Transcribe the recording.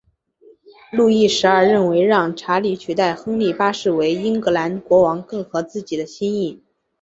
路易十二认为让理查取代亨利八世为英格兰国王更合自己的心意。